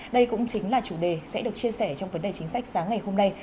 đây cũng chính là chủ đề sẽ được chia sẻ trong vấn đề chính sách sáng ngày hôm nay